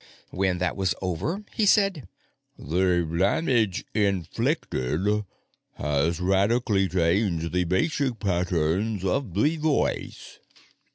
When that was over, he said: "The damage inflicted has radically changed the basic patterns of the voice.